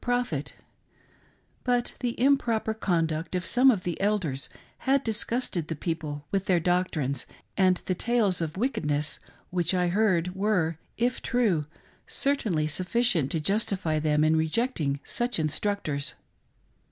f)het ; but the improper conduct of some of the elders had disgusted the people with their doctrines, and the tales of wickedness which I heard were, if true, certainly sufficient to justify them in rejecting such in structors.